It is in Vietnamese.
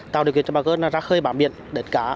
tạo điều kiện cho bà con ra khơi bảm biển đánh cá